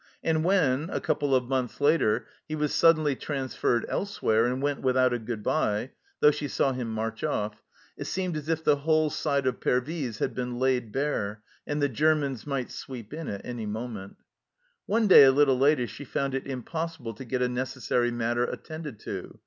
And when, a couple of months later VARIED LIFE IN PERVYSfc 145 he was suddenly transferred elsewhere, and went without a good bye, though she saw him march off, it seemed as if the whole side of Pervyse had been laid bare, and the Germans might sweep in at any moment 1 One day a little later she found it impossible to get a necessary matter attended to.